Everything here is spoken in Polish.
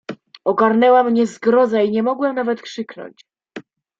"Ogarnęła mnie zgroza i nie mogłem nawet krzyknąć."